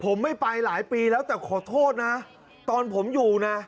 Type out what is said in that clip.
ผมไม่ไปหลายปีแล้วแต่ขอโทษนะตอนผมอยู่นะ